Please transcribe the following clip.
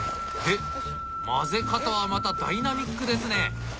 で混ぜ方はまたダイナミックですね！